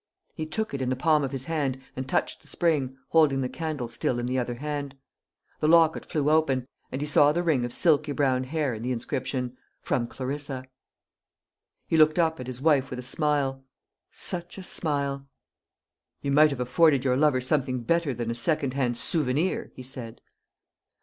He took it in the palm of his hand and touched the spring, holding the candle still in the other hand. The locket flew open, and he saw the ring of silky brown hair and the inscription, "From Clarissa." He looked up at his wife with a smile such a smile! "You might have afforded your lover something better than a secondhand souvenir," he said.